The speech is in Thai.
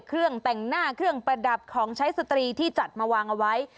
เครื่องแต่งหน้าเครื่องประดับของใช้สตรีที่จัดมาวางเอาไว้